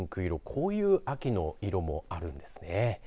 こういう秋の色もあるんですね。